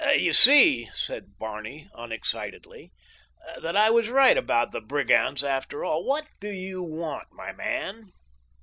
"You see," said Barney unexcitedly, "that I was right about the brigands after all. What do you want, my man?"